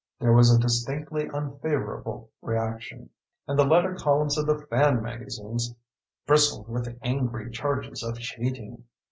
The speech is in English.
There was a distinctly unfavorable reaction, and the letter columns of the fan magazines bristled with angry charges of cheating.